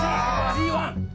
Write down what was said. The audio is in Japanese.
Ｇ−１！」